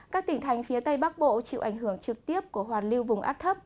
các tỉnh thành phía tây bắc bộ chịu ảnh hưởng trực tiếp của hoạt lưu vùng át thấp